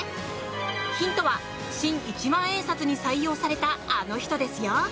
ヒントは新一万円札に採用されたあの人ですよ。